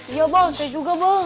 iya bal saya juga bal